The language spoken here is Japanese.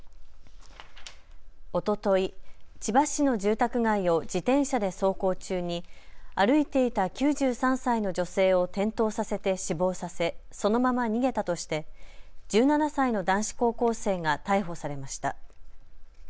おととい、千葉市の住宅街を自転車で走行中に歩いていた９３歳の女性を転倒させて死亡させそのまま逃げたとして１７歳の男子高校生が逮捕されました。